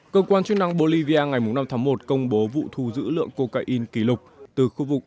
cơ quan chức năng bolivia ngày năm tháng một công bố vụ thu giữ lượng cocaine kỷ lục từ khu vực